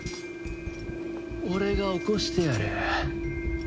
俺が起こしてやる。